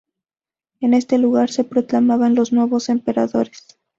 En este lugar se proclamaban los nuevos emperadores.